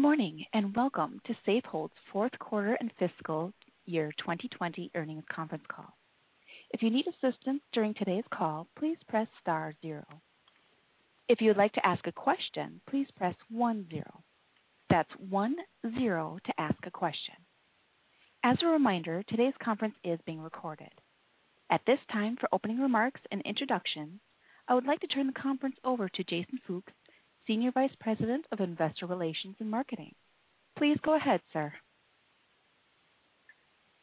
Good morning, and welcome to Safehold's Fourth Quarter and Fiscal Year 2020 Earnings Conference Call. At this time, for opening remarks and introductions, I would like to turn the conference over to Jason Fooks, Senior Vice President of Investor Relations and Marketing. Please go ahead, sir.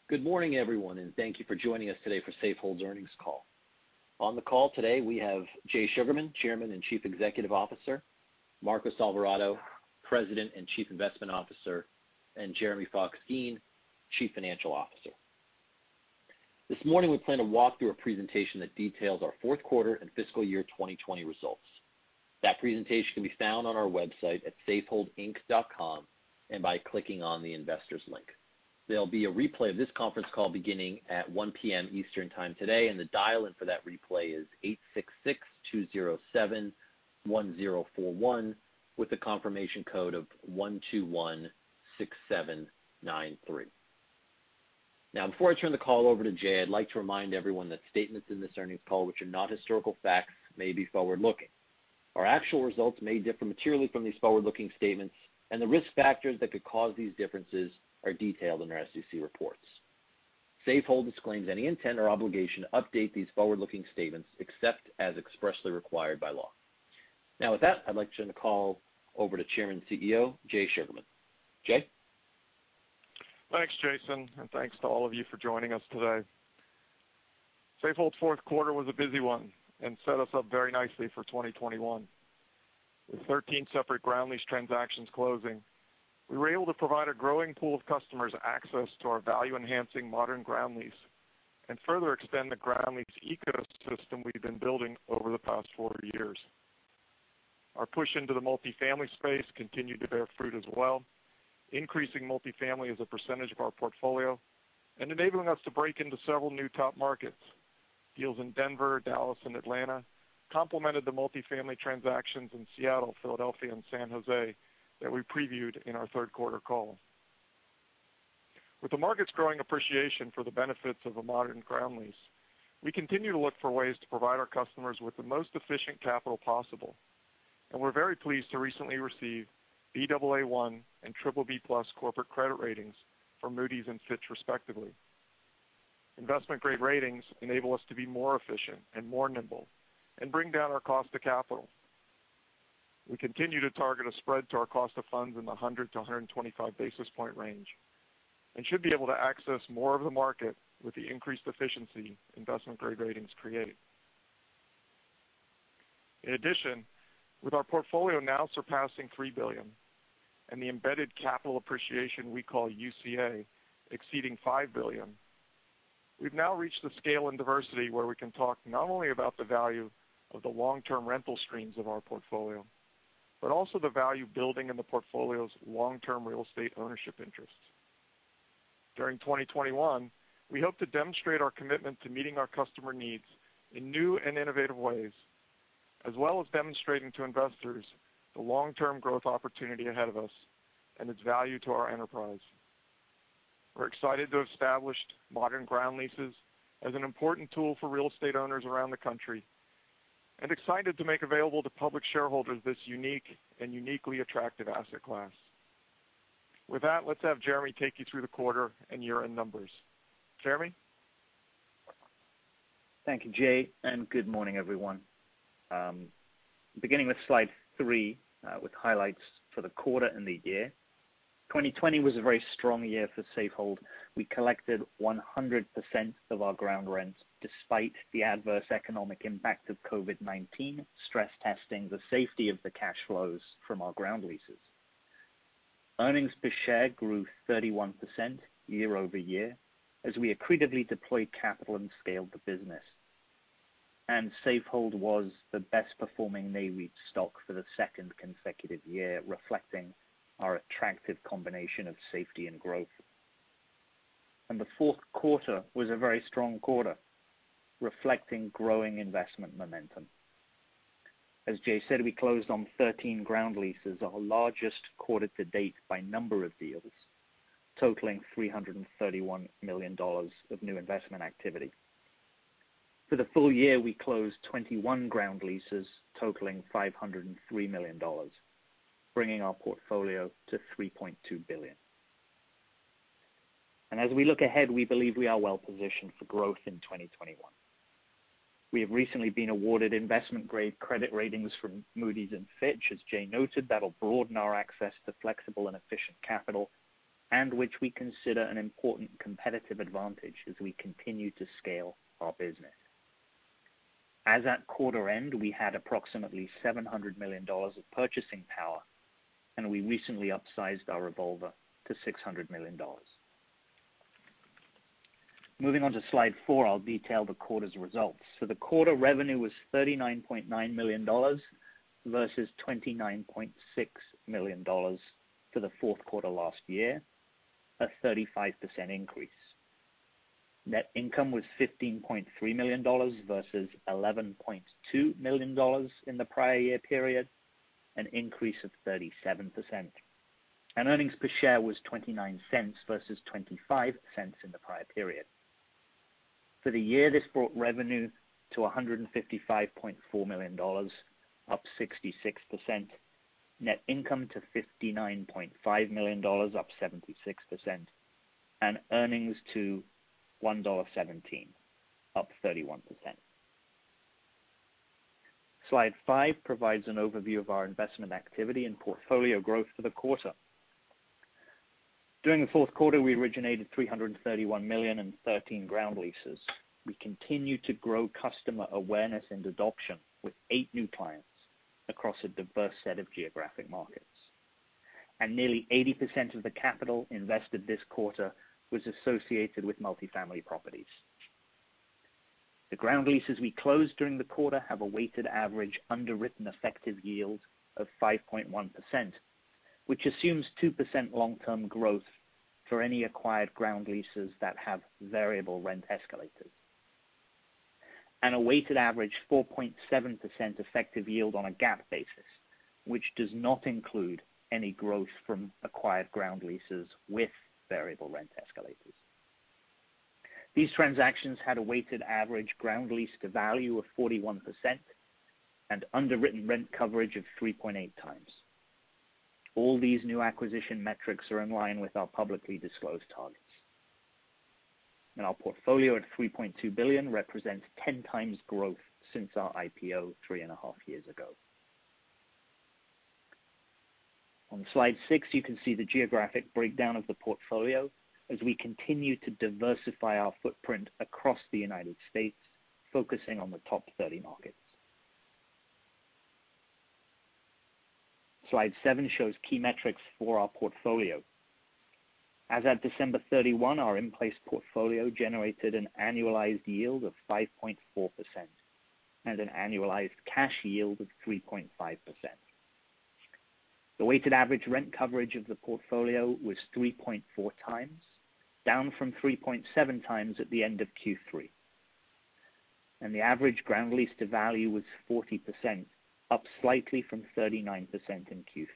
Good morning, everyone, thank you for joining us today for Safehold's earnings call. On the call today, we have Jay Sugarman, Chairman and Chief Executive Officer, Marcos Alvarado, President and Chief Investment Officer, and Jeremy Fox-Geen, Chief Financial Officer. This morning, we plan to walk through a presentation that details our fourth quarter and fiscal year 2020 results. That presentation can be found on our website at safeholdinc.com and by clicking on the Investors link. There'll be a replay of this conference call beginning at 1:00 P.M. Eastern Time today, and the dial-in for that replay is 866-207-1041 with a confirmation code of one two one six seven nine three. Before I turn the call over to Jay, I'd like to remind everyone that statements in this earnings call which are not historical facts may be forward-looking. Our actual results may differ materially from these forward-looking statements, and the risk factors that could cause these differences are detailed in our SEC reports. Safehold disclaims any intent or obligation to update these forward-looking statements except as expressly required by law. Now with that, I'd like to turn the call over to Chairman and Chief Executive Officer, Jay Sugarman. Jay? Thanks, Jason, and thanks to all of you for joining us today. Safehold's fourth quarter was a busy one and set us up very nicely for 2021. With 13 separate ground lease transactions closing, we were able to provide a growing pool of customers access to our value-enhancing modern ground lease and further extend the ground lease ecosystem we've been building over the past four years. Our push into the multifamily space continued to bear fruit as well, increasing multifamily as a percentage of our portfolio and enabling us to break into several new top markets. Deals in Denver, Dallas, and Atlanta complemented the multifamily transactions in Seattle, Philadelphia, and San Jose that we previewed in our third quarter call. With the market's growing appreciation for the benefits of a modern ground lease, we continue to look for ways to provide our customers with the most efficient capital possible, and we're very pleased to recently receive Baa1 and BBB+ corporate credit ratings from Moody's and Fitch respectively. Investment grade ratings enable us to be more efficient and more nimble and bring down our cost to capital. We continue to target a spread to our cost of funds in the 100-125 basis point range and should be able to access more of the market with the increased efficiency investment grade ratings create. In addition, with our portfolio now surpassing $3 billion and the embedded capital appreciation we call UCA exceeding $5 billion, we've now reached the scale and diversity where we can talk not only about the value of the long-term rental streams of our portfolio, but also the value building in the portfolio's long-term real estate ownership interests. During 2021, we hope to demonstrate our commitment to meeting our customer needs in new and innovative ways, as well as demonstrating to investors the long-term growth opportunity ahead of us and its value to our enterprise. We're excited to have established modern ground leases as an important tool for real estate owners around the country and excited to make available to public shareholders this unique and uniquely attractive asset class. With that, let's have Jeremy take you through the quarter and year-end numbers. Jeremy? Thank you, Jay. Good morning, everyone. Beginning with slide three, with highlights for the quarter and the year. 2020 was a very strong year for Safehold. We collected 100% of our ground rents despite the adverse economic impact of COVID-19 stress-testing the safety of the cash flows from our ground leases. Earnings per share grew 31% year-over-year as we accretively deployed capital and scaled the business. Safehold was the best performing NAREIT stock for the second consecutive year, reflecting our attractive combination of safety and growth. The fourth quarter was a very strong quarter, reflecting growing investment momentum. As Jay said, we closed on 13 ground leases, our largest quarter to date by number of deals, totaling $331 million of new investment activity. For the full year, we closed 21 ground leases totaling $503 million, bringing our portfolio to $3.2 billion. As we look ahead, we believe we are well positioned for growth in 2021. We have recently been awarded investment-grade credit ratings from Moody's and Fitch. As Jay noted, that'll broaden our access to flexible and efficient capital, and which we consider an important competitive advantage as we continue to scale our business. As at quarter end, we had approximately $700 million of purchasing power, and we recently upsized our revolver to $600 million. Moving on to slide four, I'll detail the quarter's results. For the quarter, revenue was $39.9 million versus $29.6 million for the fourth quarter last year, a 35% increase. Net income was $15.3 million versus $11.2 million in the prior year period, an increase of 37%. Earnings per share was $0.29 versus $0.25 in the prior period. For the year, this brought revenue to $155.4 million, up 66%, net income to $59.5 million, up 76%, and earnings to $1.17, up 31%. Slide 5 provides an overview of our investment activity and portfolio growth for the quarter. During the fourth quarter, we originated $331 million in 13 ground leases. We continue to grow customer awareness and adoption with eight new clients across a diverse set of geographic markets. Nearly 80% of the capital invested this quarter was associated with multifamily properties. The ground leases we closed during the quarter have a weighted average underwritten effective yield of 5.1%, which assumes 2% long-term growth for any acquired ground leases that have variable rent escalators. A weighted average 4.7% effective yield on a GAAP basis, which does not include any growth from acquired ground leases with variable rent escalators. These transactions had a weighted average ground lease-to-value of 41% and underwritten rent coverage of 3.8x. All these new acquisition metrics are in line with our publicly disclosed targets. Our portfolio at $3.2 billion represents 10x growth since our IPO three and a half years ago. On slide six, you can see the geographic breakdown of the portfolio as we continue to diversify our footprint across the U.S., focusing on the top 30 markets. Slide seven shows key metrics for our portfolio. As at December 31, our in-place portfolio generated an annualized yield of 5.4% and an annualized cash yield of 3.5%. The weighted average rent coverage of the portfolio was 3.4x, down from 3.7x at the end of Q3. The average ground lease-to-value was 40%, up slightly from 39% in Q3.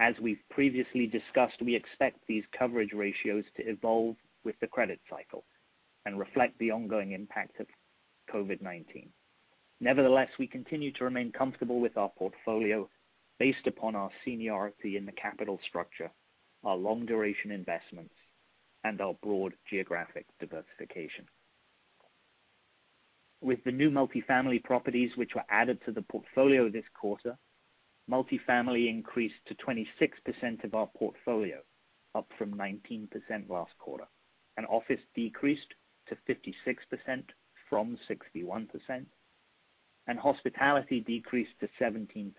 As we've previously discussed, we expect these coverage ratios to evolve with the credit cycle and reflect the ongoing impact of COVID-19. Nevertheless, we continue to remain comfortable with our portfolio based upon our seniority in the capital structure, our long duration investments, and our broad geographic diversification. With the new multifamily properties which were added to the portfolio this quarter, multifamily increased to 26% of our portfolio, up from 19% last quarter. Office decreased to 56% from 61%, and hospitality decreased to 17%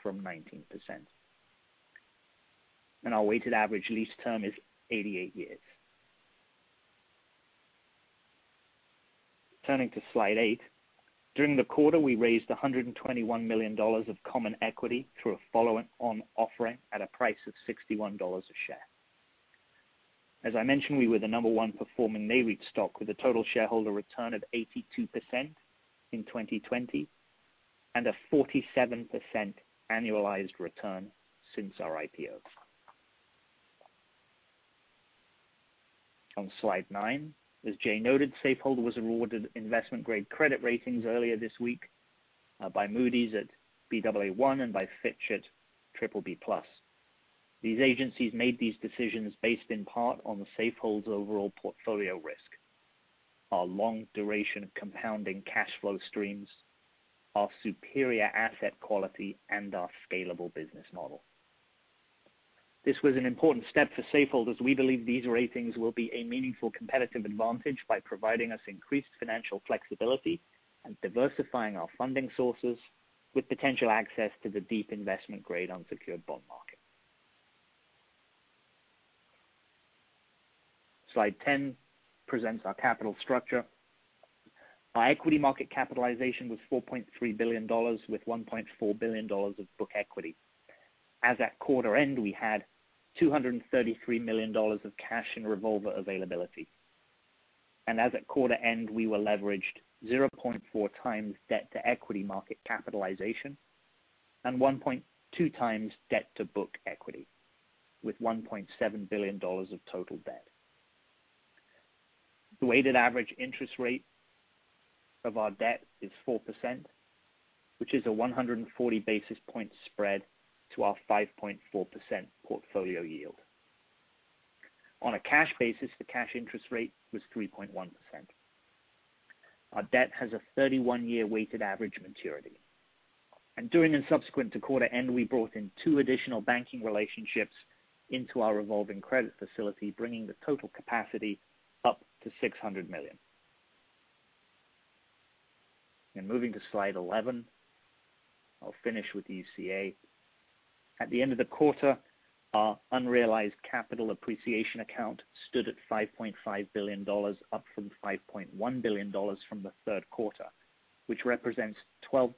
from 19%. Our weighted average lease term is 88 years. Turning to slide eight. During the quarter, we raised $121 million of common equity through a follow-on offering at a price of $61 a share. As I mentioned, we were the number one performing Nareit stock with a total shareholder return of 82% in 2020 and a 47% annualized return since our IPO. On slide nine, as Jay noted, Safehold was awarded investment-grade credit ratings earlier this week, by Moody's at Baa1 and by Fitch at BBB+. These agencies made these decisions based in part on Safehold's overall portfolio risk, our long duration of compounding cash flow streams, our superior asset quality, and our scalable business model. This was an important step for Safehold as we believe these ratings will be a meaningful competitive advantage by providing us increased financial flexibility and diversifying our funding sources with potential access to the deep investment grade unsecured bond market. Slide 10 presents our capital structure. Our equity market capitalization was $4.3 billion with $1.4 billion of book equity. As at quarter end, we had $233 million of cash and revolver availability. As at quarter end, we were leveraged 0.4x debt to equity market capitalization and 1.2x debt to book equity with $1.7 billion of total debt. The weighted average interest rate of our debt is 4%, which is a 140 basis point spread to our 5.4% portfolio yield. On a cash basis, the cash interest rate was 3.1%. Our debt has a 31-year weighted average maturity. During and subsequent to quarter end, we brought in two additional banking relationships into our revolving credit facility, bringing the total capacity up to $600 million. Moving to slide 11, I'll finish with the UCA. At the end of the quarter, our Unrealized Capital Appreciation account stood at $5.5 billion, up from $5.1 billion from the third quarter, which represents the total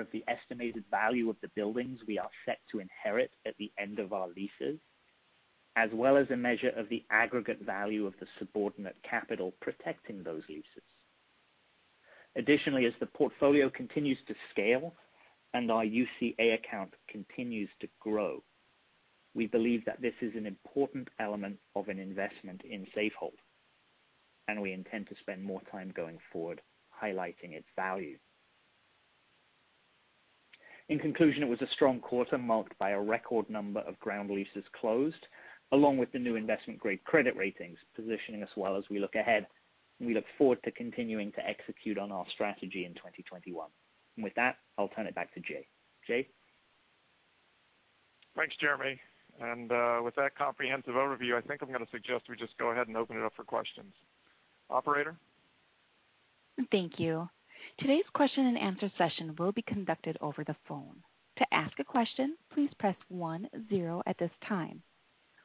of the estimated value of the buildings we are set to inherit at the end of our leases, as well as a measure of the aggregate value of the subordinate capital protecting those leases. Additionally, as the portfolio continues to scale and our UCA account continues to grow, we believe that this is an important element of an investment in Safehold, we intend to spend more time going forward highlighting its value. In conclusion, it was a strong quarter marked by a record number of ground leases closed, along with the new investment-grade credit ratings positioning us well as we look ahead, we look forward to continuing to execute on our strategy in 2021. With that, I'll turn it back to Jay. Jay? Thanks, Jeremy. With that comprehensive overview, I think I'm going to suggest we just go ahead and open it up for questions. Operator? Thank you. Today's question and answer session will be conducted over the phone. To ask a question, please press one zero at this time.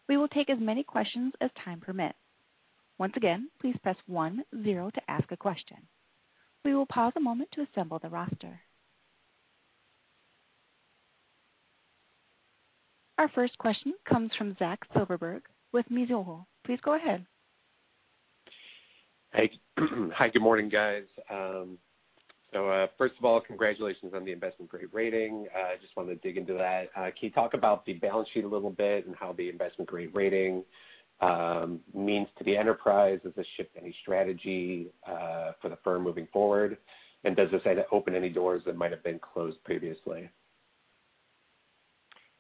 We will take as many questions as time permits. Once again, please press one zero to ask a question. We will pause a moment to assemble the roster. Our first question comes from Zach Silverberg with Mizuho. Please go ahead. Hi, good morning, guys. First of all, congratulations on the investment-grade rating. I just wanted to dig into that. Can you talk about the balance sheet a little bit and how the investment-grade rating means to the enterprise? Does this shift any strategy for the firm moving forward? Does this open any doors that might have been closed previously?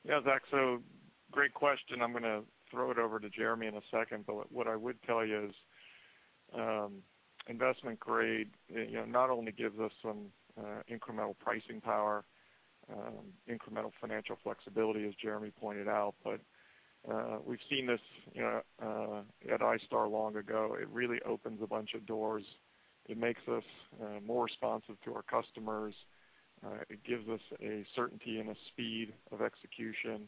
Zach. Great question. I'm going to throw it over to Jeremy in a second. What I would tell you is investment grade not only gives us some incremental pricing power, incremental financial flexibility, as Jeremy pointed out, but we've seen this at iStar long ago. It really opens a bunch of doors. It makes us more responsive to our customers. It gives us a certainty and a speed of execution.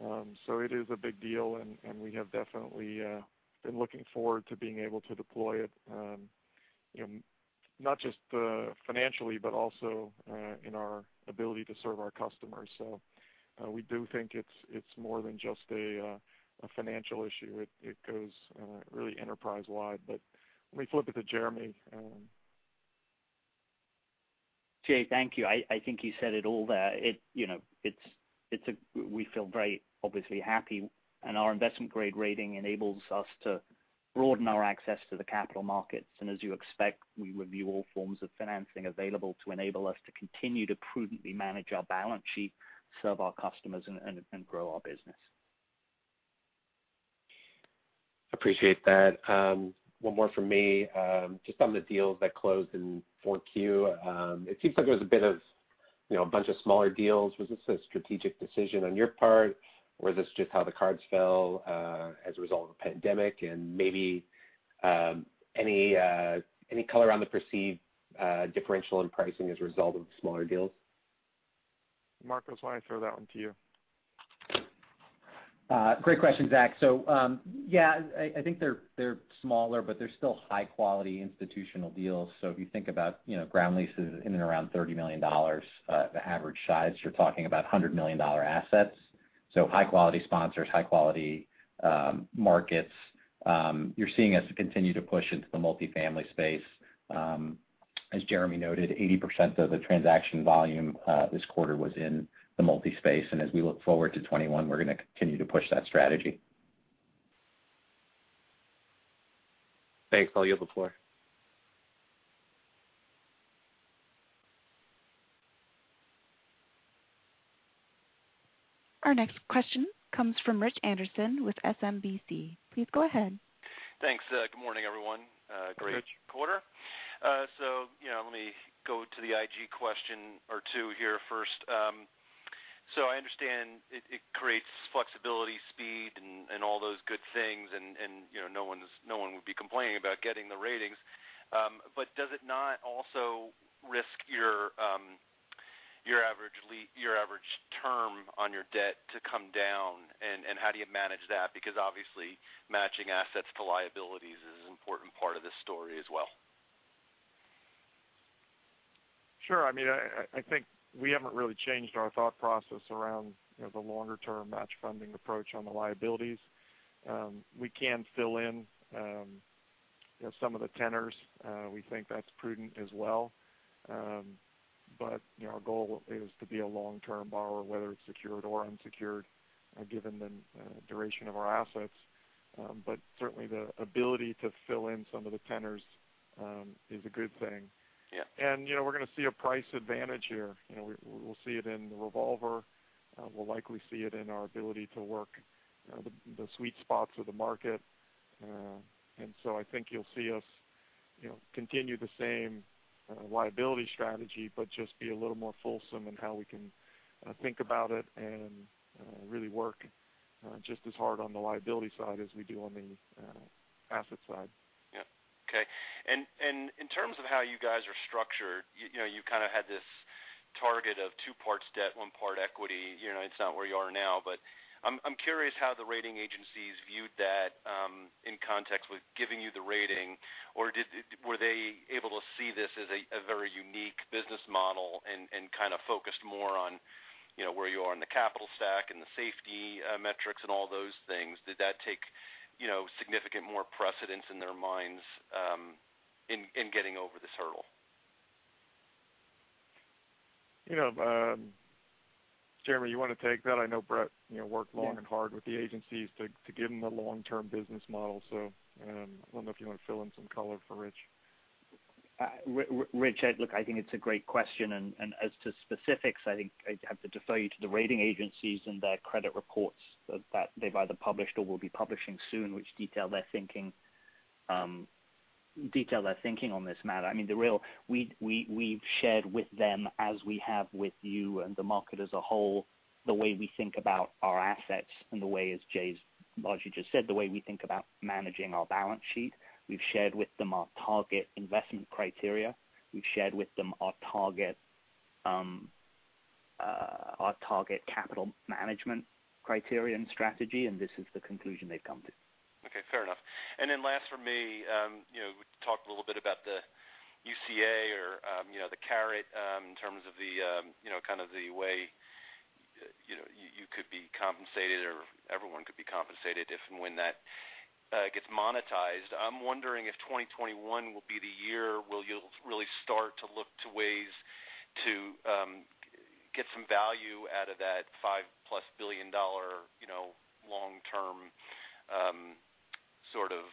It is a big deal, and we have definitely been looking forward to being able to deploy it, not just financially, but also in our ability to serve our customers. We do think it's more than just a financial issue. It goes really enterprise wide. Let me flip it to Jeremy. Jay, thank you. I think you said it all there. We feel very, obviously, happy, and our investment-grade rating enables us to broaden our access to the capital markets. As you expect, we review all forms of financing available to enable us to continue to prudently manage our balance sheet, serve our customers, and grow our business. Appreciate that. One more from me. Just on the deals that closed in 4Q, it seems like there was a bunch of smaller deals. Was this a strategic decision on your part, or is this just how the cards fell as a result of the pandemic? Maybe any color on the perceived differential in pricing as a result of smaller deals? Marcos, why don't I throw that one to you? Great question, Zach. Yeah, I think they're smaller, but they're still high-quality institutional deals. If you think about ground leases in and around $30 million, the average size, you're talking about $100 million assets. High-quality sponsors, high-quality markets. You're seeing us continue to push into the multifamily space. As Jeremy noted, 80% of the transaction volume this quarter was in the multi space, and as we look forward to 2021, we're going to continue to push that strategy. Thanks. I'll yield the floor. Our next question comes from Rich Anderson with SMBC. Please go ahead. Thanks. Good morning, everyone. Rich. Great quarter. Let me go to the IG question or two here first. I understand it creates flexibility, speed, and all those good things, and no one would be complaining about getting the ratings. Does it not also risk your average term on your debt to come down? How do you manage that? Because obviously, matching assets to liabilities is an important part of this story as well. Sure. I think we haven't really changed our thought process around the longer-term match funding approach on the liabilities. We can fill in some of the tenors. We think that's prudent as well. Our goal is to be a long-term borrower, whether it's secured or unsecured, given the duration of our assets. Certainly, the ability to fill in some of the tenors is a good thing. Yeah. We're going to see a price advantage here. We'll see it in the revolver. We'll likely see it in our ability to work the sweet spots of the market. I think you'll see us continue the same liability strategy, but just be a little more fulsome in how we can think about it and really work just as hard on the liability side as we do on the asset side. Yeah. Okay. In terms of how you guys are structured, you kind of had this target of two parts debt, one part equity. It's not where you are now, but I'm curious how the rating agencies viewed that in context with giving you the rating, or were they able to see this as a very unique business model and kind of focused more on where you are in the capital stack and the safety metrics and all those things? Did that take significant more precedence in their minds in getting over this hurdle? Jeremy, you want to take that? I know Brett worked long and hard with the agencies to give them the long-term business model. I don't know if you want to fill in some color for Rich. Rich, look, I think it's a great question, and as to specifics, I think I'd have to defer you to the rating agencies and their credit reports that they've either published or will be publishing soon, which detail their thinking on this matter. We've shared with them, as we have with you and the market as a whole, the way we think about our assets and the way, as Jay largely just said, the way we think about managing our balance sheet. We've shared with them our target investment criteria. We've shared with them our target capital management criteria and strategy, and this is the conclusion they've come to. Okay, fair enough. Last from me, we talked a little bit about the UCA or the CARET in terms of the way you could be compensated or everyone could be compensated if and when that gets monetized. I'm wondering if 2021 will be the year where you'll really start to look to ways to get some value out of that $5+ billion long-term sort of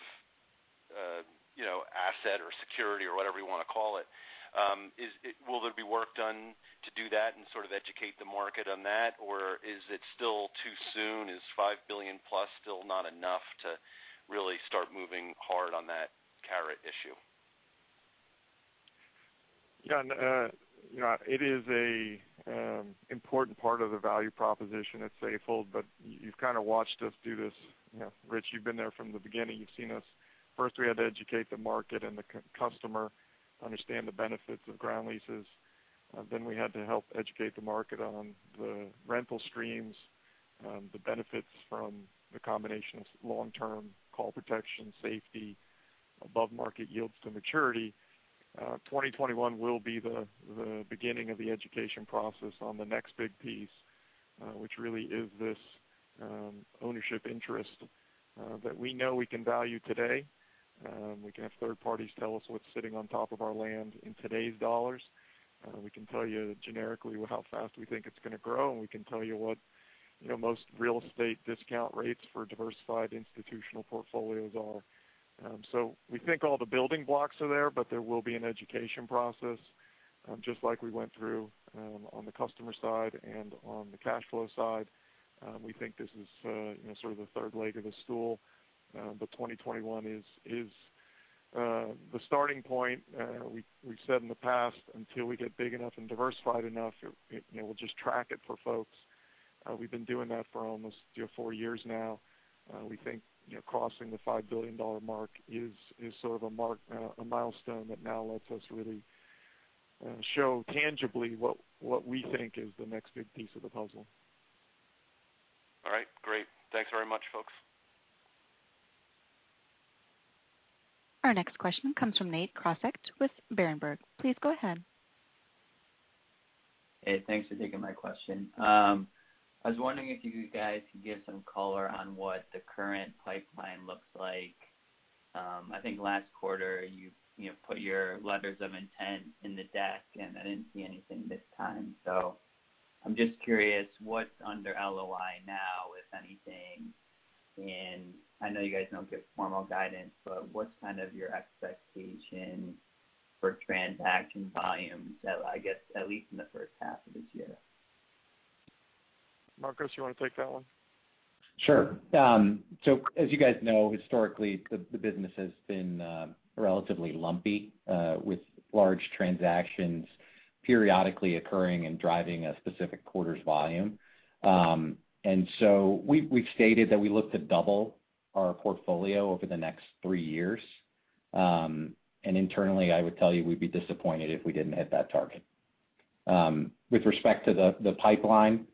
asset or security or whatever you want to call it. Will there be work done to do that and sort of educate the market on that, or is it still too soon? Is $5+ billion still not enough to really start moving hard on that CARET issue? Yeah. It is a important part of the value proposition at Safehold. You've kind of watched us do this. Rich, you've been there from the beginning. You've seen us. First, we had to educate the market and the customer understand the benefits of ground leases. We had to help educate the market on the rental streams, the benefits from the combination of long-term call protection, safety, above-market yields to maturity. 2021 will be the beginning of the education process on the next big piece, which really is this ownership interest that we know we can value today. We can have third parties tell us what's sitting on top of our land in today's dollars. We can tell you generically how fast we think it's going to grow. We can tell you what most real estate discount rates for diversified institutional portfolios are. We think all the building blocks are there, but there will be an education process, just like we went through on the customer side and on the cash flow side. We think this is sort of the third leg of the stool. 2021 is the starting point. We've said in the past, until we get big enough and diversified enough, we'll just track it for folks. We've been doing that for almost four years now. We think crossing the $5 billion mark is sort of a milestone that now lets us really show tangibly what we think is the next big piece of the puzzle. All right. Great. Thanks very much, folks. Our next question comes from Nate Crossett with Berenberg. Please go ahead. Hey, thanks for taking my question. I was wondering if you guys could give some color on what the current pipeline looks like. I think last quarter you put your letters of intent in the deck, and I didn't see anything this time. I'm just curious, what's under LOI now, if anything? I know you guys don't give formal guidance, but what's kind of your expectation for transaction volumes, I guess, at least in the first half of this year? Marcos, you want to take that one? Sure. As you guys know, historically, the business has been relatively lumpy with large transactions periodically occurring and driving a specific quarter's volume. We've stated that we look to double our portfolio over the next three years. Internally, I would tell you we'd be disappointed if we didn't hit that target. With respect to the pipeline,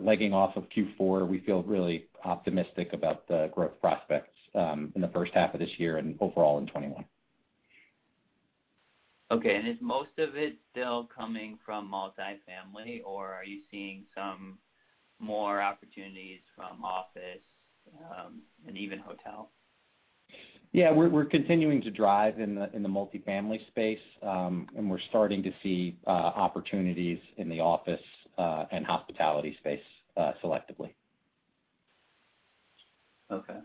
legging off of Q4, we feel really optimistic about the growth prospects in the first half of this year and overall in 2021. Okay. Is most of it still coming from multi-family, or are you seeing some more opportunities from office and even hotel? Yeah, we're continuing to drive in the multi-family space, and we're starting to see opportunities in the office and hospitality space selectively. Okay.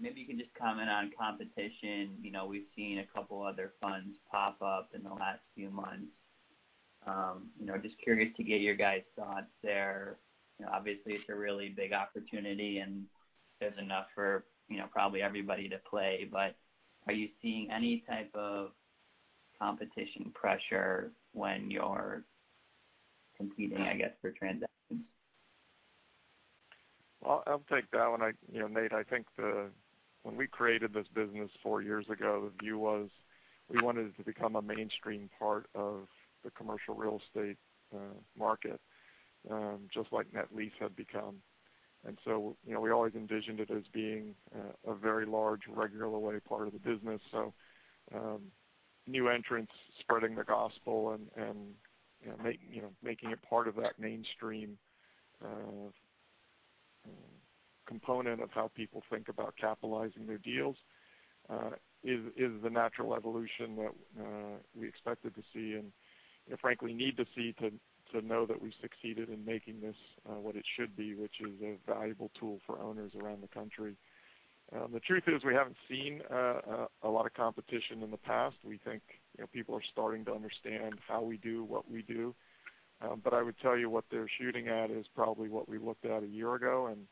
Maybe you can just comment on competition. We've seen a couple other funds pop up in the last few months. Just curious to get your guys' thoughts there. It's a really big opportunity, and there's enough for probably everybody to play, but are you seeing any type of competition pressure when you're competing, I guess, for transactions? I'll take that one. Nate, I think when we created this business four years ago, the view was we wanted it to become a mainstream part of the commercial real estate market just like net lease had become. We always envisioned it as being a very large, regular way part of the business. New entrants spreading the gospel and making it part of that mainstream component of how people think about capitalizing their deals, is the natural evolution that we expected to see, and frankly need to see to know that we succeeded in making this what it should be, which is a valuable tool for owners around the country. The truth is we haven't seen a lot of competition in the past. We think people are starting to understand how we do what we do. I would tell you what they're shooting at is probably what we looked at a year ago, and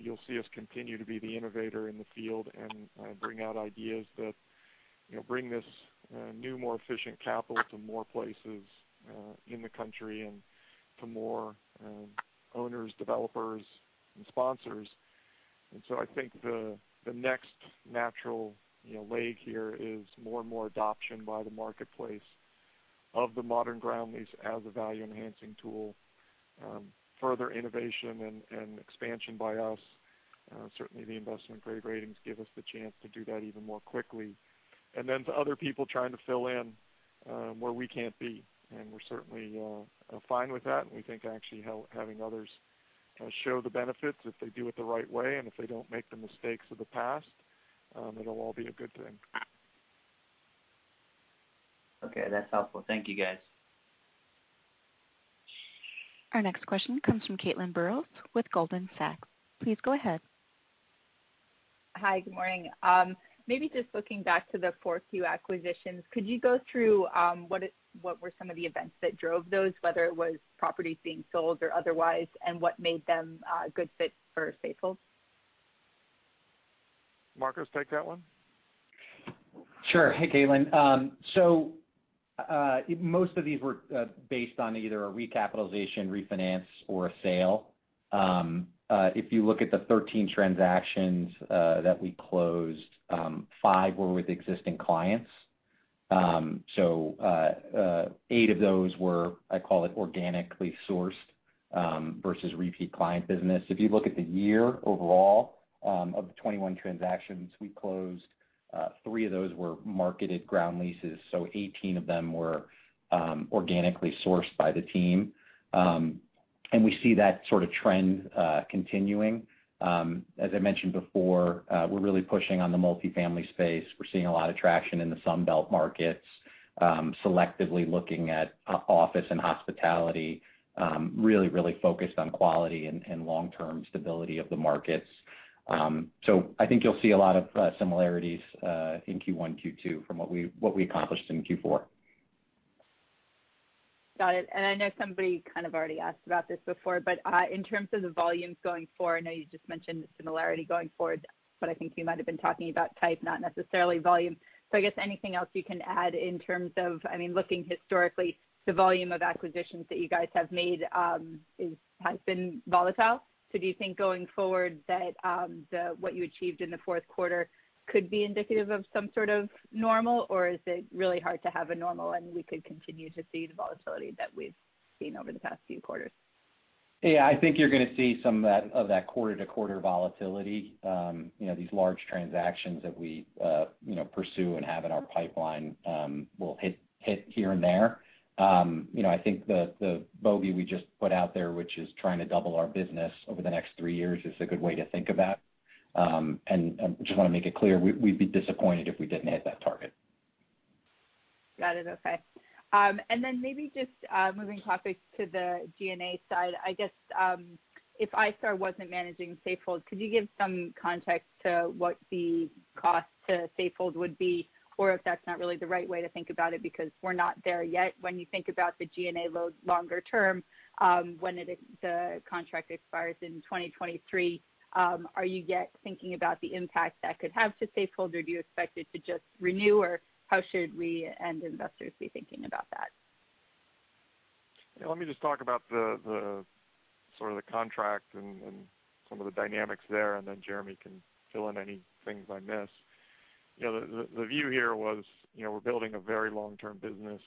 you'll see us continue to be the innovator in the field and bring out ideas that bring this new, more efficient capital to more places in the country and to more owners, developers, and sponsors. I think the next natural leg here is more and more adoption by the marketplace of the modern ground lease as a value-enhancing tool. Further innovation and expansion by us. Certainly, the investment-grade ratings give us the chance to do that even more quickly. To other people trying to fill in where we can't be, and we're certainly fine with that, and we think actually having others show the benefits if they do it the right way, and if they don't make the mistakes of the past, it'll all be a good thing. Okay, that's helpful. Thank you, guys. Our next question comes from Caitlin Burrows with Goldman Sachs. Please go ahead. Hi, good morning. Maybe just looking back to the 4Q acquisitions, could you go through what were some of the events that drove those, whether it was properties being sold or otherwise, and what made them a good fit for Safehold? Marcos, take that one. Sure. Hey, Caitlin. Most of these were based on either a recapitalization, refinance, or a sale. If you look at the 13 transactions that we closed, five were with existing clients. Eight of those were, I call it organically sourced versus repeat client business. If you look at the year overall of the 21 transactions we closed, three of those were marketed ground leases, so 18 of them were organically sourced by the team. We see that sort of trend continuing. As I mentioned before, we're really pushing on the multi-family space. We're seeing a lot of traction in the Sun Belt markets, selectively looking at office and hospitality. Really, really focused on quality and long-term stability of the markets. I think you'll see a lot of similarities in Q1, Q2 from what we accomplished in Q4. Got it. I know somebody kind of already asked about this before, but in terms of the volumes going forward, I know you just mentioned the similarity going forward, but I think you might have been talking about type, not necessarily volume. I guess anything else you can add in terms of, looking historically, the volume of acquisitions that you guys have made has been volatile. Do you think going forward that what you achieved in the fourth quarter could be indicative of some sort of normal, or is it really hard to have a normal, and we could continue to see the volatility that we've seen over the past few quarters? Yeah, I think you're going to see some of that quarter-to-quarter volatility. These large transactions that we pursue and have in our pipeline will hit here and there. I think the bogey we just put out there, which is trying to double our business over the next three years, is a good way to think of that. Just want to make it clear, we'd be disappointed if we didn't hit that target. Got it. Okay. Then maybe just moving topics to the G&A side, I guess if iStar wasn't managing Safehold, could you give some context to what the cost to Safehold would be, or if that's not really the right way to think about it because we're not there yet. When you think about the G&A load longer term, when the contract expires in 2023, are you yet thinking about the impact that could have to Safehold or do you expect it to just renew? Or how should we and investors be thinking about that? Let me just talk about the sort of the contract and some of the dynamics there, and then Jeremy can fill in any things I miss. The view here was we're building a very long-term business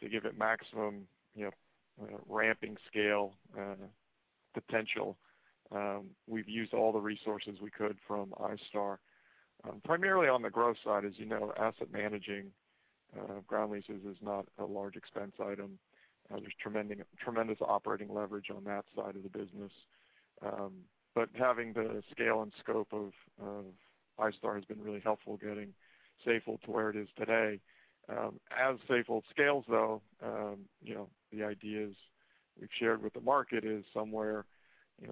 to give it maximum ramping scale potential. We've used all the resources we could from iStar. Primarily on the growth side, as you know, asset managing ground leases is not a large expense item. There's tremendous operating leverage on that side of the business. Having the scale and scope of iStar has been really helpful getting Safehold to where it is today. As Safehold scales, though, the ideas we've shared with the market is somewhere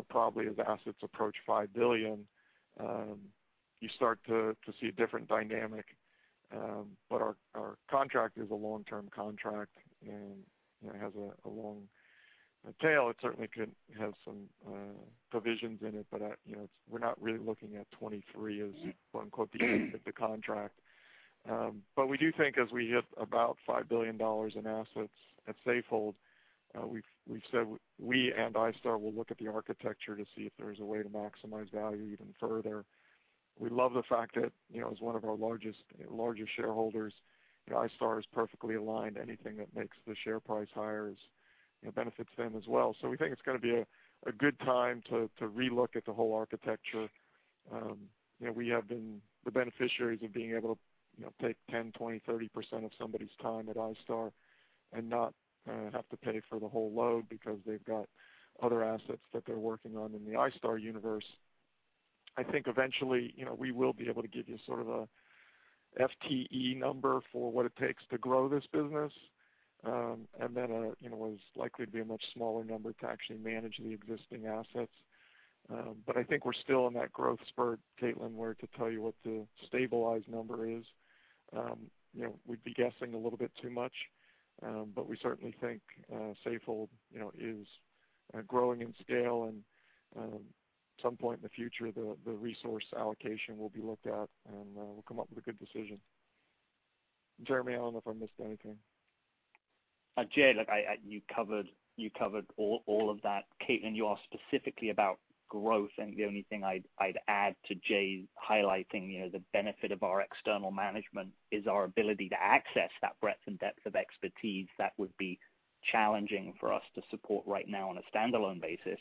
probably as assets approach $5 billion, you start to see a different dynamic. Our contract is a long-term contract, and it has a long tail. It certainly could have some provisions in it, we're not really looking at 2023 as "the end of the contract." We do think as we hit about $5 billion in assets at Safehold, we've said we and iStar will look at the architecture to see if there's a way to maximize value even further. We love the fact that as one of our largest shareholders, iStar is perfectly aligned. Anything that makes the share price higher benefits them as well. We think it's going to be a good time to re-look at the whole architecture. We have been the beneficiaries of being able to take 10%, 20%, 30% of somebody's time at iStar and not have to pay for the whole load because they've got other assets that they're working on in the iStar universe. I think eventually we will be able to give you sort of a FTE number for what it takes to grow this business. It's likely to be a much smaller number to actually manage the existing assets. I think we're still in that growth spurt, Caitlin, where to tell you what the stabilized number is, we'd be guessing a little bit too much. We certainly think Safehold is growing in scale, and at some point in the future, the resource allocation will be looked at, and we'll come up with a good decision. Jeremy, I don't know if I missed anything. Jay, look, you covered all of that. Caitlin, you asked specifically about growth. The only thing I'd add to Jay highlighting the benefit of our external management is our ability to access that breadth and depth of expertise that would be challenging for us to support right now on a standalone basis.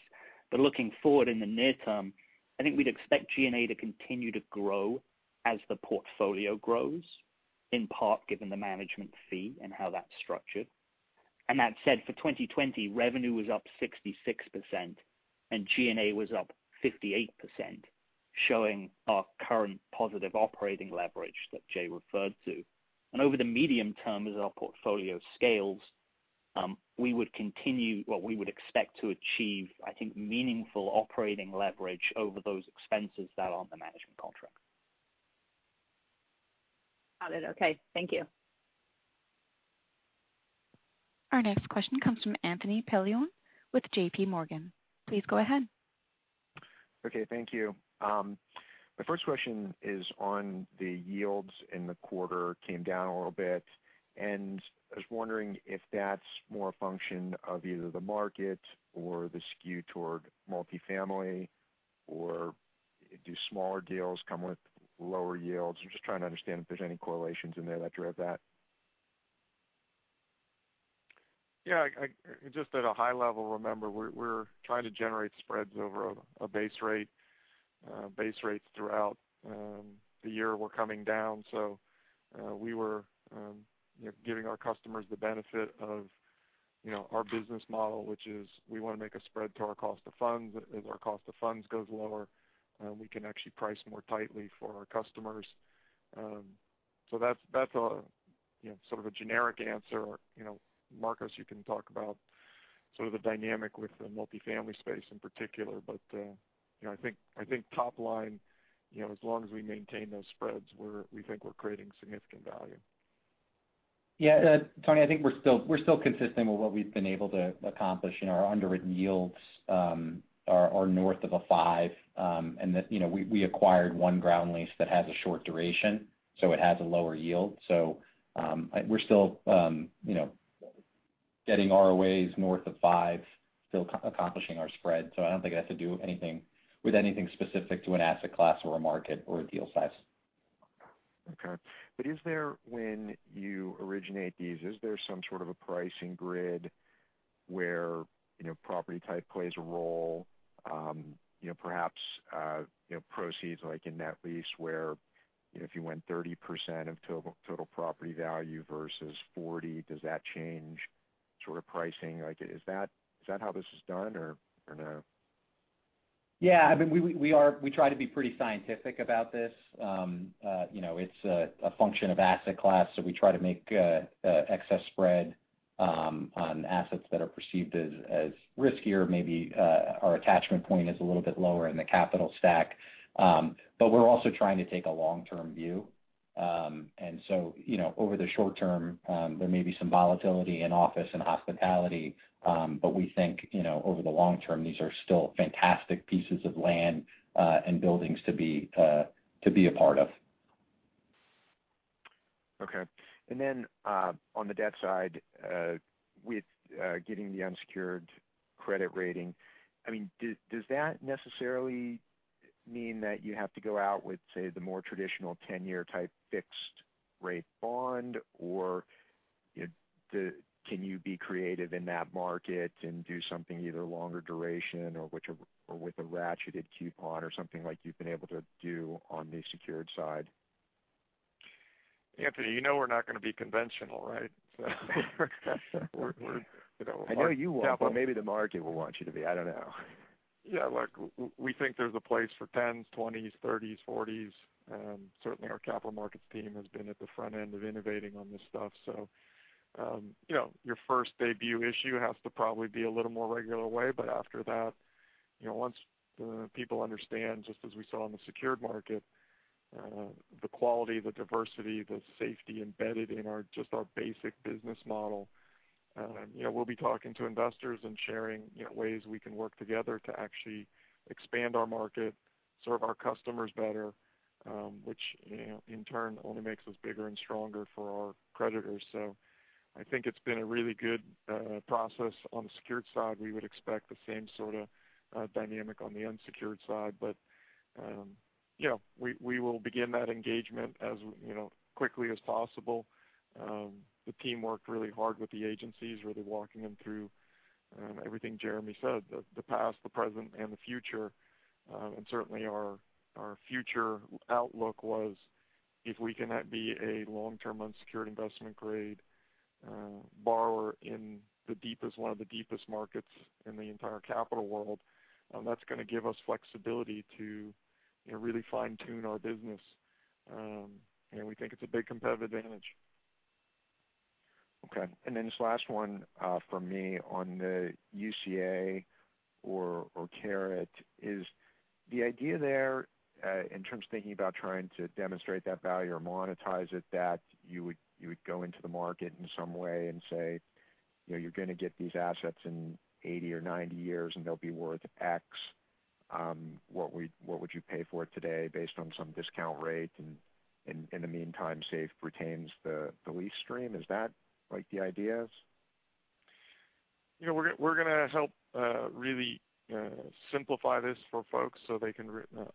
Looking forward in the near term, I think we'd expect G&A to continue to grow as the portfolio grows, in part given the management fee and how that's structured. That said, for 2020, revenue was up 66%, and G&A was up 58%, showing our current positive operating leverage that Jay referred to. Over the medium term, as our portfolio scales, we would expect to achieve, I think, meaningful operating leverage over those expenses that are on the management contract. Got it. Okay. Thank you. Our next question comes from Anthony Paolone with JPMorgan. Please go ahead. Okay. Thank you. My first question is on the yields in the quarter came down a little bit, and I was wondering if that's more a function of either the market or the skew toward multifamily, or do smaller deals come with lower yields? I'm just trying to understand if there's any correlations in there that drive that. Yeah. Just at a high level, remember, we're trying to generate spreads over a base rate. Base rates throughout the year were coming down, so we were giving our customers the benefit of our business model, which is we want to make a spread to our cost of funds. As our cost of funds goes lower, we can actually price more tightly for our customers. That's sort of a generic answer. Marcos, you can talk about sort of the dynamic with the multifamily space in particular. I think, top line, as long as we maintain those spreads, we think we're creating significant value. Yeah. Tony, I think we're still consistent with what we've been able to accomplish in our underwritten yields are north of a five. We acquired one ground lease that has a short duration, so it has a lower yield. We're still getting ROA north of five, still accomplishing our spread. I don't think it has to do with anything specific to an asset class or a market or a deal size. Okay. When you originate these, is there some sort of a pricing grid where property type plays a role? Perhaps, proceeds like in net lease where if you went 30% of total property value versus 40%, does that change sort of pricing? Is that how this is done or no? Yeah. We try to be pretty scientific about this. It's a function of asset class, so we try to make excess spread on assets that are perceived as riskier. Maybe our attachment point is a little bit lower in the capital stack. We're also trying to take a long-term view. Over the short term, there may be some volatility in office and hospitality. We think, over the long term, these are still fantastic pieces of land and buildings to be a part of. Okay. On the debt side, with getting the unsecured credit rating, does that necessarily mean that you have to go out with, say, the more traditional 10-year type fixed rate bond, or can you be creative in that market and do something either longer duration or with a ratcheted coupon or something like you've been able to do on the secured side? Anthony, you know we're not going to be conventional, right? I know you won't, but maybe the market will want you to be, I don't know. Yeah, look, we think there's a place for 10s, 20s, 30s, 40s. Certainly our capital markets team has been at the front end of innovating on this stuff. Your first debut issue has to probably be a little more regular way. After that, once the people understand, just as we saw in the secured market the quality, the diversity, the safety embedded in just our basic business model. We'll be talking to investors and sharing ways we can work together to actually expand our market, serve our customers better, which in turn only makes us bigger and stronger for our creditors. I think it's been a really good process on the secured side. We would expect the same sort of dynamic on the unsecured side, but we will begin that engagement as quickly as possible. The team worked really hard with the agencies, really walking them through everything Jeremy said, the past, the present, and the future. Certainly our future outlook was if we cannot be a long-term unsecured investment grade borrower in one of the deepest markets in the entire capital world, that's going to give us flexibility to really fine-tune our business. We think it's a big competitive advantage. Okay, this last one from me on the UCA or CARET. Is the idea there, in terms of thinking about trying to demonstrate that value or monetize it, that you would go into the market in some way and say, you're going to get these assets in 80 or 90 years, and they'll be worth X? What would you pay for it today based on some discount rate? In the meantime, SAFE retains the lease stream. Is that like the idea is? We're going to help really simplify this for folks so they can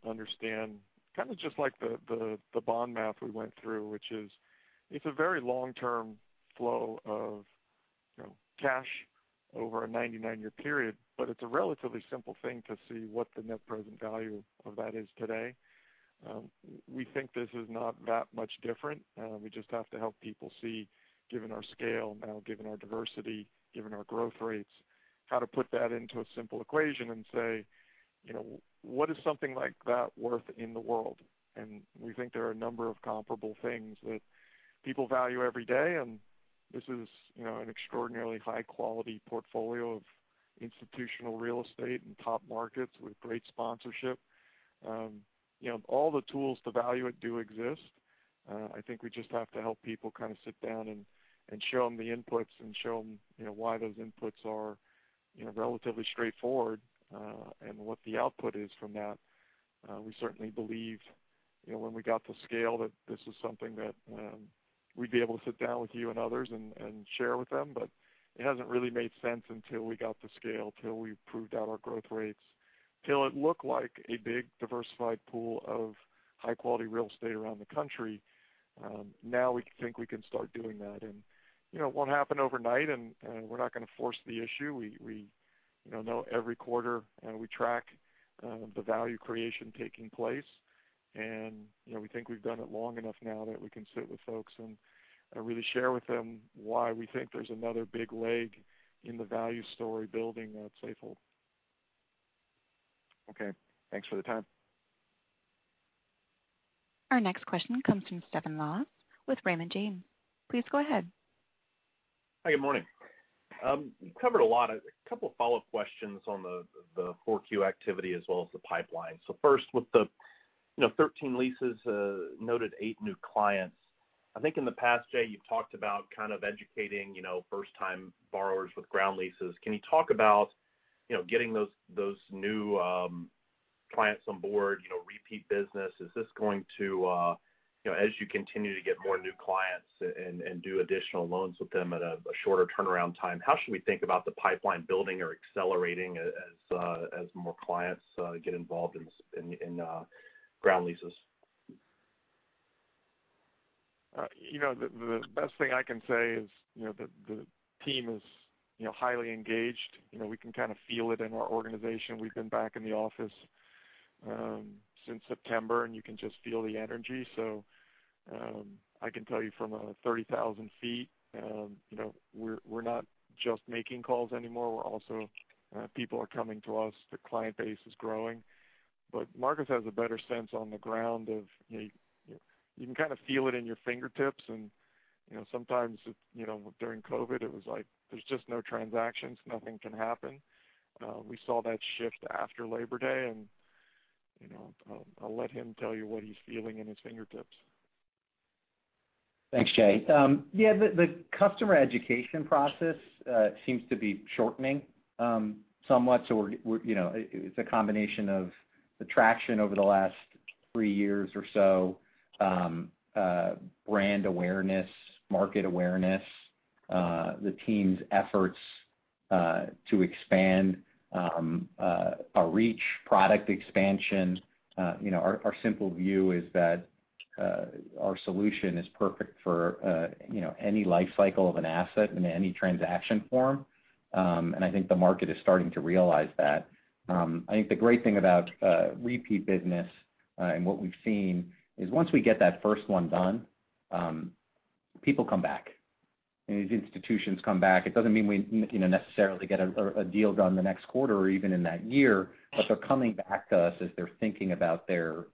understand, kind of just like the bond math we went through, which is it's a very long-term flow of cash over a 99-year period, but it's a relatively simple thing to see what the net present value of that is today. We think this is not that much different. We just have to help people see, given our scale now, given our diversity, given our growth rates, how to put that into a simple equation and say, what is something like that worth in the world? We think there are a number of comparable things that people value every day, and this is an extraordinarily high-quality portfolio of institutional real estate in top markets with great sponsorship. All the tools to value it do exist. I think we just have to help people kind of sit down and show them the inputs and show them why those inputs are relatively straightforward, and what the output is from that. We certainly believed when we got the scale, that this is something that we'd be able to sit down with you and others and share with them. It hasn't really made sense until we got the scale, till we proved out our growth rates, till it looked like a big diversified pool of high-quality real estate around the country. Now we think we can start doing that. It won't happen overnight, and we're not going to force the issue. Every quarter, we track the value creation taking place. We think we've done it long enough now that we can sit with folks and really share with them why we think there's another big leg in the value story building at Safehold. Okay. Thanks for the time. Our next question comes from Stephen Laws with Raymond James. Please go ahead. Hi, good morning. You covered a lot. A couple follow-up questions on the 4Q activity as well as the pipeline. First, with the 13 leases, noted eight new clients. I think in the past, Jay, you've talked about kind of educating first-time borrowers with ground leases. Can you talk about getting those new clients on board, repeat business? As you continue to get more new clients and do additional loans with them at a shorter turnaround time, how should we think about the pipeline building or accelerating as more clients get involved in ground leases? The best thing I can say is the team is highly engaged. We can kind of feel it in our organization. We've been back in the office since September, you can just feel the energy. I can tell you from 30,000 ft, we're not just making calls anymore. People are coming to us. The client base is growing. Marcos has a better sense on the ground of you can kind of feel it in your fingertips, sometimes during COVID, it was like there's just no transactions, nothing can happen. We saw that shift after Labor Day, I'll let him tell you what he's feeling in his fingertips. Thanks, Jay. Yeah, the customer education process seems to be shortening somewhat. It's a combination of the traction over the last three years or so, brand awareness, market awareness, the team's efforts to expand our reach, product expansion. Our simple view is that our solution is perfect for any life cycle of an asset in any transaction form, and I think the market is starting to realize that. I think the great thing about repeat business and what we've seen is once we get that first one done, people come back. These institutions come back. It doesn't mean we necessarily get a deal done the next quarter or even in that year, but they're coming back to us as they're thinking about their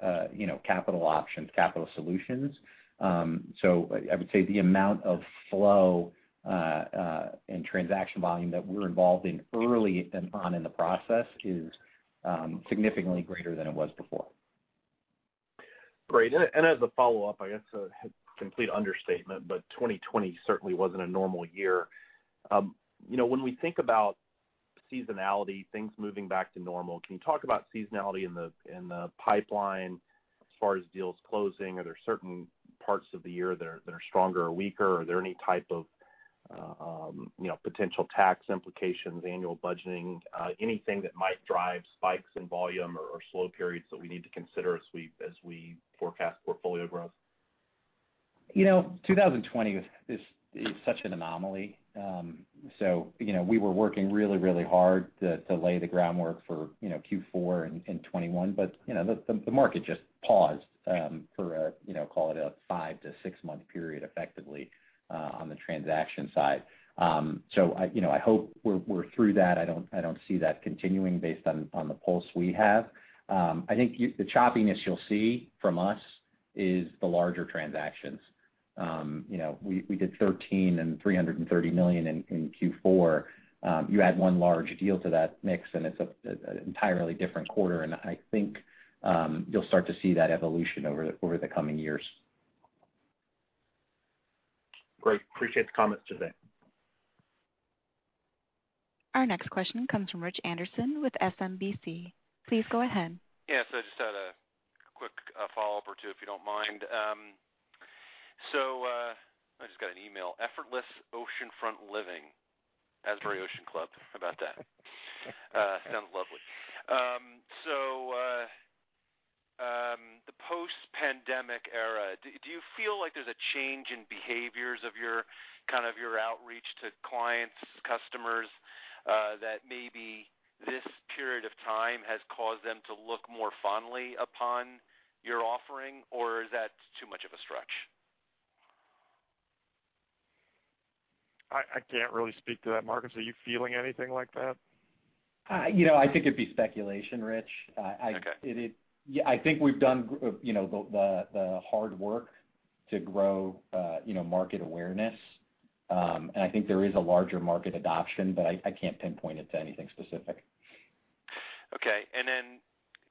capital options, capital solutions. I would say the amount of flow and transaction volume that we're involved in early on in the process is significantly greater than it was before. Great. As a follow-up, I guess a complete understatement, 2020 certainly wasn't a normal year. When we think about seasonality, things moving back to normal, can you talk about seasonality in the pipeline as far as deals closing? Are there certain parts of the year that are stronger or weaker? Are there any type of potential tax implications, annual budgeting, anything that might drive spikes in volume or slow periods that we need to consider as we forecast portfolio growth? 2020 is such an anomaly. We were working really hard to lay the groundwork for Q4 in 2021. The market just paused for, call it a five to six-month period, effectively, on the transaction side. I hope we're through that. I don't see that continuing based on the pulse we have. I think the choppiness you'll see from us is the larger transactions. We did 13 and $330 million in Q4. You add one large deal to that mix, and it's an entirely different quarter. I think you'll start to see that evolution over the coming years. Great. Appreciate the comments today. Our next question comes from Rich Anderson with SMBC. Please go ahead. Yes, I just had a quick follow-up or two, if you don't mind. I just got an email. Effortless oceanfront living, Asbury Ocean Club. How about that? Sounds lovely. The post-pandemic era, do you feel like there's a change in behaviors of your outreach to clients, customers, that maybe this period of time has caused them to look more fondly upon your offering, or is that too much of a stretch? I can't really speak to that. Marcos, are you feeling anything like that? I think it'd be speculation, Rich. Okay. I think we've done the hard work to grow market awareness, and I think there is a larger market adoption, but I can't pinpoint it to anything specific. Okay.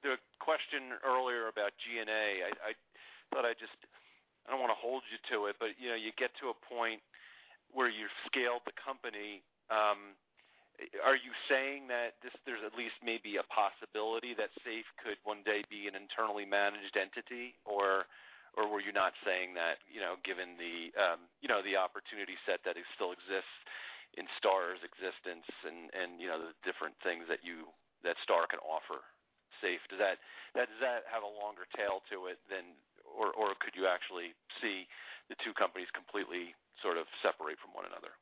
The question earlier about G&A, I don't want to hold you to it, but you get to a point where you've scaled the company. Are you saying that there's at least maybe a possibility that SAFE could one day be an internally managed entity? Were you not saying that given the opportunity set that still exists in iStar's existence and the different things that iStar can offer SAFE? Does that have a longer tail to it than, or could you actually see the two companies completely sort of separate from one another?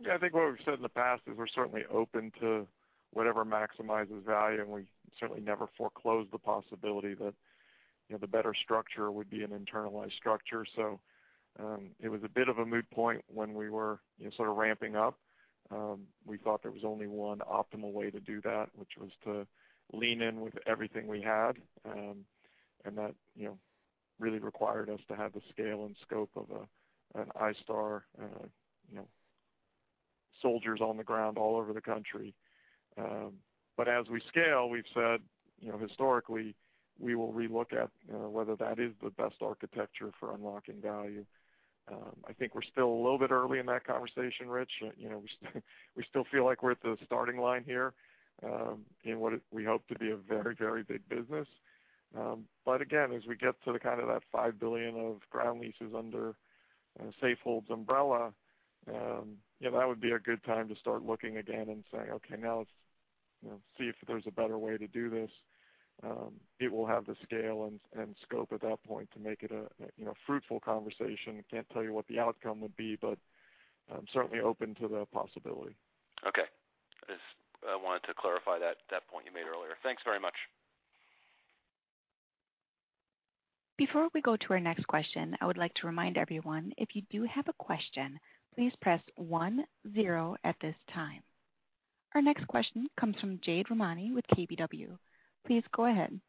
Yeah, I think what we've said in the past is we're certainly open to whatever maximizes value, and we certainly never foreclose the possibility that the better structure would be an internalized structure. It was a bit of a moot point when we were sort of ramping up. We thought there was only one optimal way to do that, which was to lean in with everything we had. That really required us to have the scale and scope of an iStar soldiers on the ground all over the country. As we scale, we've said historically, we will re-look at whether that is the best architecture for unlocking value. I think we're still a little bit early in that conversation, Rich. We still feel like we're at the starting line here in what we hope to be a very big business. Again, as we get to kind of that $5 billion of ground leases under Safehold's umbrella, that would be a good time to start looking again and saying, "Okay, now let's see if there's a better way to do this." It will have the scale and scope at that point to make it a fruitful conversation. I can't tell you what the outcome would be, but I'm certainly open to the possibility. Okay. I wanted to clarify that point you made earlier. Thanks very much. Before we go to our next question, I would like to remind everyone, if you do have a question, please press one zero at this time. Our next question comes from Jade Rahmani with KBW. Please go ahead.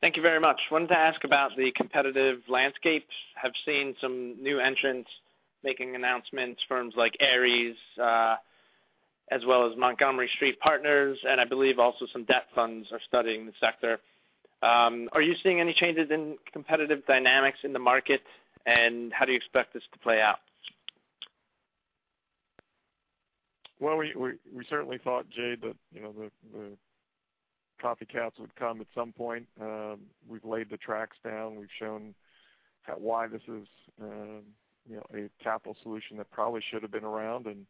Thank you very much. Wanted to ask about the competitive landscape. Have seen some new entrants making announcements, firms like Ares, as well as Montgomery Street Partners, and I believe also some debt funds are studying the sector. Are you seeing any changes in competitive dynamics in the market, and how do you expect this to play out? Well, we certainly thought, Jade, that the copycats would come at some point. We've laid the tracks down. We've shown why this is a capital solution that probably should have been around, and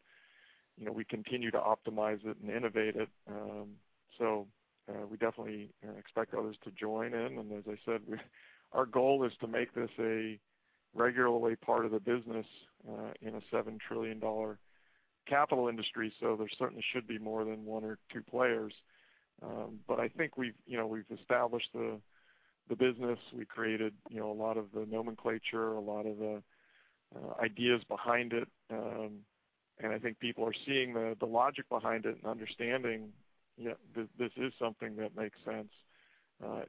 we continue to optimize it and innovate it. We definitely expect others to join in. As I said, our goal is to make this a regular part of the business in a $7 trillion capital industry. There certainly should be more than one or two players. I think we've established the business. We created a lot of the nomenclature, a lot of the ideas behind it. I think people are seeing the logic behind it and understanding this is something that makes sense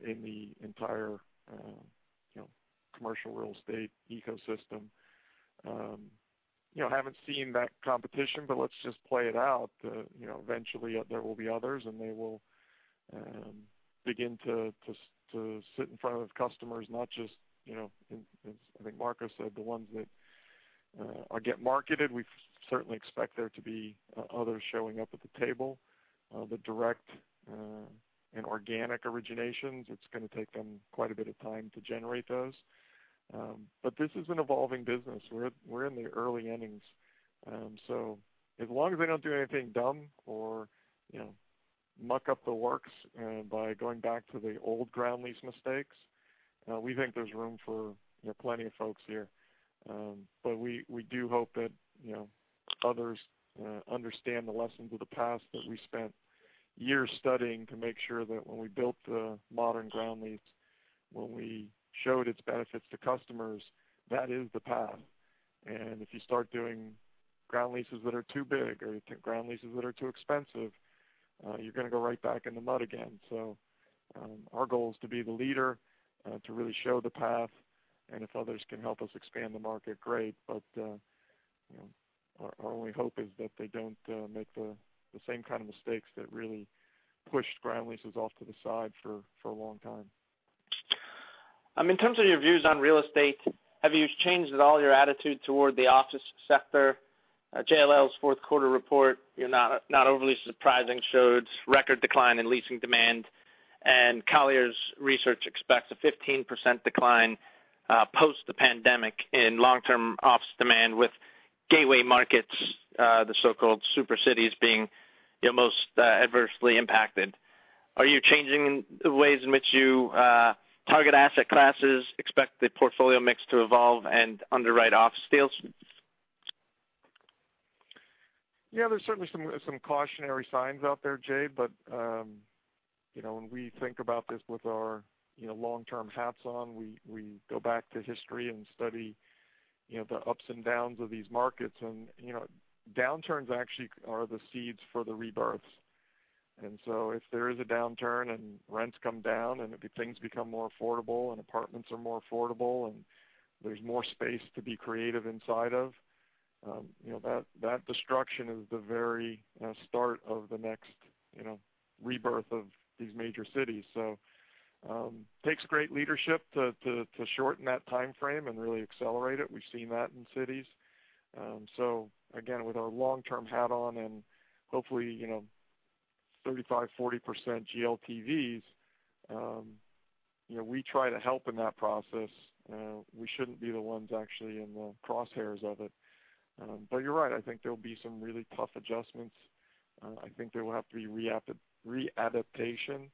in the entire commercial real estate ecosystem. Haven't seen that competition, but let's just play it out. Eventually, there will be others, and they will begin to sit in front of customers, not just, as I think Marcos said, the ones that get marketed. We certainly expect there to be others showing up at the table. The direct and organic originations, it's going to take them quite a bit of time to generate those. This is an evolving business. We're in the early innings. As long as they don't do anything dumb or muck up the works by going back to the old ground lease mistakes, we think there's room for plenty of folks here. We do hope that others understand the lessons of the past, that we spent years studying to make sure that when we built the modern ground lease, when we showed its benefits to customers, that is the path. If you start doing ground leases that are too big or ground leases that are too expensive, you're going to go right back in the mud again. Our goal is to be the leader, to really show the path. If others can help us expand the market, great. Our only hope is that they don't make the same kind of mistakes that really pushed ground leases off to the side for a long time. In terms of your views on real estate, have you changed at all your attitude toward the office sector? JLL's fourth quarter report, not overly surprising, showed record decline in leasing demand. Colliers research expects a 15% decline post the pandemic in long-term office demand, with gateway markets, the so-called super cities, being most adversely impacted. Are you changing the ways in which you target asset classes, expect the portfolio mix to evolve, and underwrite office deals? Yeah, there's certainly some cautionary signs out there, Jay. When we think about this with our long-term hats on, we go back to history and study the ups and downs of these markets. Downturns actually are the seeds for the rebirths. If there is a downturn, and rents come down, and things become more affordable, and apartments are more affordable, and there's more space to be creative inside of, that destruction is the very start of the next rebirth of these major cities. Takes great leadership to shorten that timeframe and really accelerate it. We've seen that in cities. Again, with our long-term hat on and hopefully, 35%, 40% GLTVs, we try to help in that process. We shouldn't be the ones actually in the crosshairs of it. You're right. I think there'll be some really tough adjustments. I think there will have to be readaptation.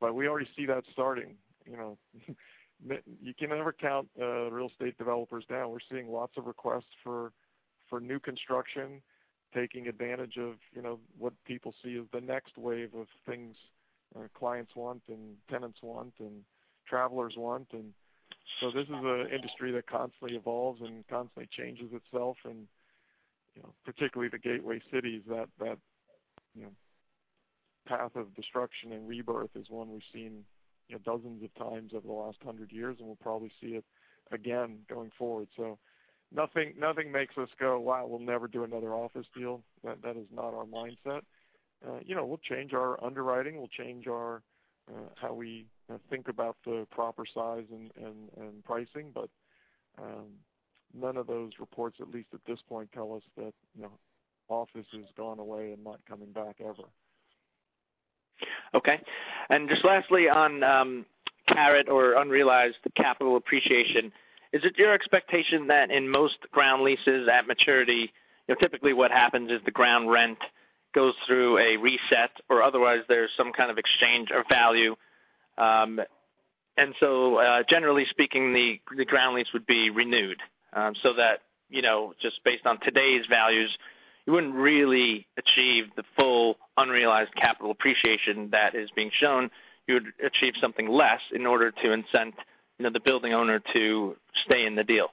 We already see that starting. You can never count real estate developers down. We're seeing lots of requests for new construction, taking advantage of what people see as the next wave of things clients want, and tenants want, and travelers want. This is an industry that constantly evolves and constantly changes itself. Particularly the gateway cities, that path of destruction and rebirth is one we've seen dozens of times over the last 100 years, and we'll probably see it again going forward. Nothing makes us go, "Wow. We'll never do another office deal." That is not our mindset. We'll change our underwriting. We'll change how we think about the proper size and pricing. None of those reports, at least at this point, tell us that office has gone away and not coming back ever. Okay. Just lastly on CARET or Unrealized Capital Appreciation, is it your expectation that in most ground leases at maturity, typically what happens is the ground rent goes through a reset or otherwise there's some kind of exchange of value. Generally speaking, the ground lease would be renewed. That just based on today's values, you wouldn't really achieve the full Unrealized Capital Appreciation that is being shown. You would achieve something less in order to incent the building owner to stay in the deal?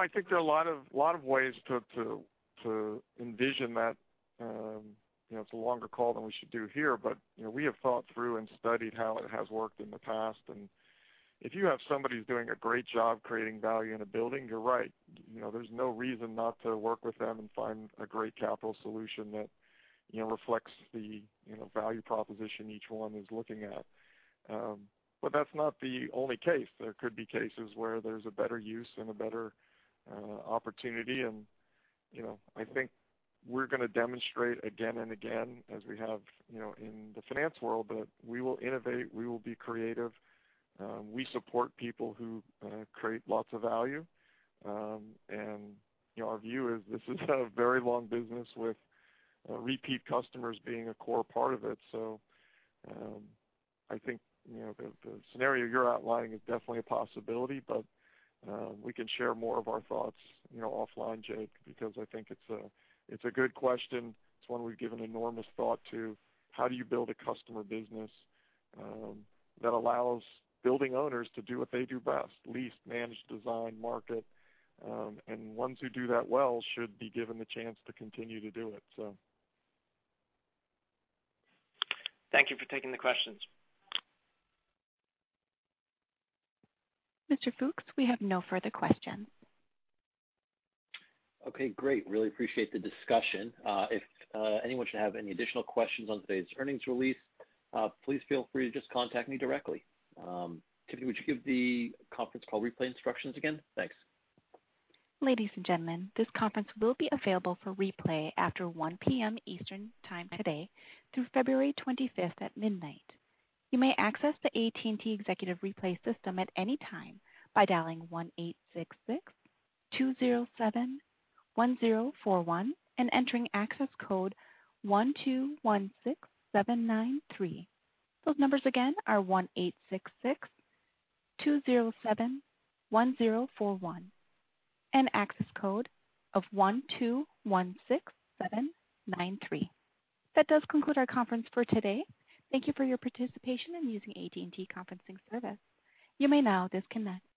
I think there are a lot of ways to envision that. It's a longer call than we should do here. We have thought through and studied how it has worked in the past. If you have somebody who's doing a great job creating value in a building, you're right. There's no reason not to work with them and find a great capital solution that reflects the value proposition each one is looking at. That's not the only case. There could be cases where there's a better use and a better opportunity, and I think we're going to demonstrate again and again as we have in the finance world that we will innovate, we will be creative. We support people who create lots of value. Our view is this is a very long business with repeat customers being a core part of it. I think the scenario you're outlining is definitely a possibility, but we can share more of our thoughts offline, Jade, because I think it's a good question. It's one we've given enormous thought to. How do you build a customer business that allows building owners to do what they do best, lease, manage, design, market? Ones who do that well should be given the chance to continue to do it. Thank you for taking the questions. Mr. Fooks, we have no further questions. Okay, great. Really appreciate the discussion. If anyone should have any additional questions on today's earnings release, please feel free to just contact me directly. Tiffany, would you give the conference call replay instructions again? Thanks. That does conclude our conference for today. Thank you for your participation in using AT&T conferencing service. You may now disconnect.